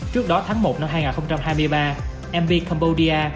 trước đó tháng một năm hai nghìn hai mươi ba mp cambodia